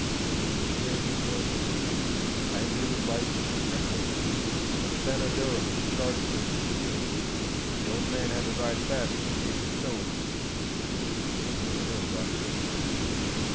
But here he was, angry with life and reckless; and when Fanner Durham charged him with stealing wheat, the old man had to ride fast to escape the stones which the furious fool hurled after him.